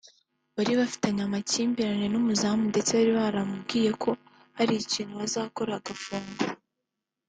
bari bafitanye amakimbirane n’umuzamu ndetse bari baramubwiye ko hari ikintu bazakora agafungwa